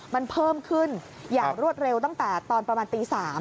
มันเพิ่มขึ้นอย่างรวดเร็วตั้งแต่ตอนประมาณตี๓